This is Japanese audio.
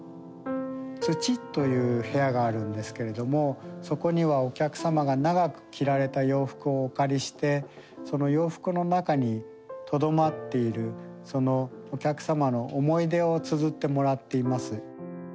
土という部屋があるんですけれどもそこにはお客様が長く着られた洋服をお借りしてその洋服の中にとどまっているそのお客様の思い出をつづってもらっています。